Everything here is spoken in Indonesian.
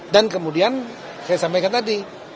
dan kemudian saya sampaikan tadi